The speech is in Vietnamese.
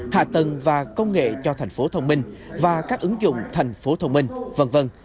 hạ tầng và công nghệ cho tp thông minh và các ứng dụng tp thông minh v v